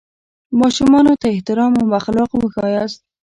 ماشومانو ته احترام او اخلاق وښیاست.